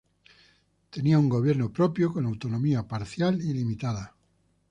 Tenía un gobierno propio con autonomía parcial y limitada.